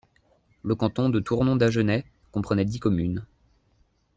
Le canton de Tournon-d'Agenais comprenait dix communes.